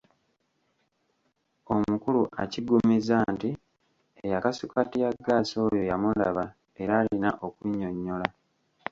Omukulu akiggumiza nti eyakasuka ttiyaggaasi oyo yamulaba era alina okunnyonnyola.